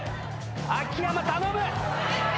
秋山頼む！